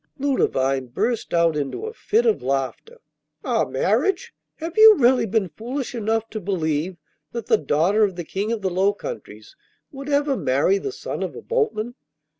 Ludovine burst out into a fit of laughter. 'Our marriage! Have you really been foolish enough to believe that the daughter of the King of the Low Countries would ever marry the son of a boatman?